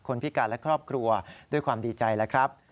พิการและครอบครัวด้วยความดีใจแล้วครับ